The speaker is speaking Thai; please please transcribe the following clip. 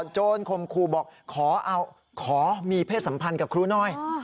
โจรคมครูบอกขอมีเพศสัมพันธ์กับครูหน่อย